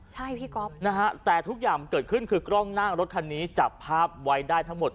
ใช่พี่ก๊อฟนะฮะแต่ทุกอย่างมันเกิดขึ้นคือกล้องหน้ารถคันนี้จับภาพไว้ได้ทั้งหมด